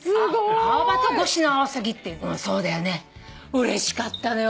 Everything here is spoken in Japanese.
うれしかったのよ。